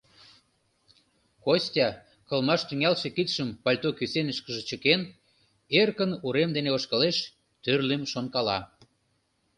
Костя, кылмаш тӱҥалше кидшым пальто кӱсенышкыже чыкен, эркын урем дене ошкылеш, тӱрлым шонкала.